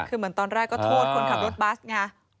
คือเหมือนตอนแรกก็โทษคนขับรถบัสไง